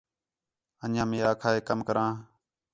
اَن٘ڄیاں مئے آکھا ہے کَم کراں